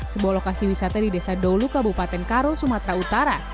sebuah lokasi wisata di desa dolu kabupaten karo sumatera utara